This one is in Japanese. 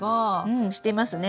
うんしてますね。